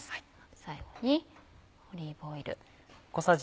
最後にオリーブオイル。